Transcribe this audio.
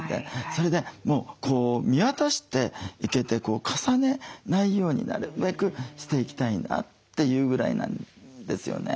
それで見渡していけて重ねないようになるべくしていきたいなというぐらいなんですよね。